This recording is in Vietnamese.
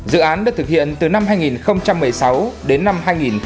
dự án được thực hiện từ năm hai nghìn một mươi sáu đến năm hai nghìn hai mươi